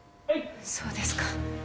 そうですか。